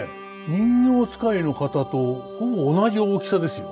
人形遣いの方とほぼ同じ大きさですよ。